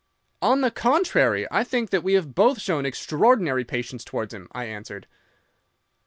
"'"On the contrary, I think that we have both shown extraordinary patience towards him," I answered.